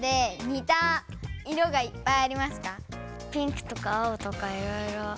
ピンクとか青とかいろいろ。